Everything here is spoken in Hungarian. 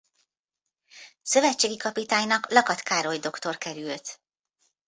Szövetségi kapitánynak Lakat Károly dr. került.